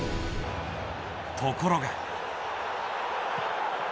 ところが。